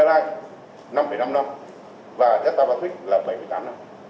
việt nam airlines năm năm năm và viettel batswitch là bảy tám năm